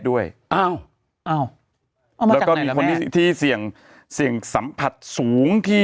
ด้วยอ้าวอ้าวแล้วก็มีคนที่ที่เสี่ยงเสี่ยงสัมผัสสูงที่